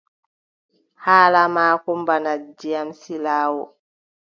Haala maako bana ndiyam silaawo.